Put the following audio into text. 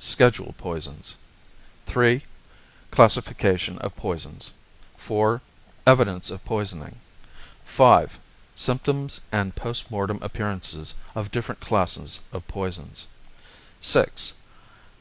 Scheduled Poisons 80 III. Classification of Poisons 83 IV. Evidence of Poisoning 85 V. Symptoms and Post Mortem Appearances of Different Classes of Poisons 86 VI.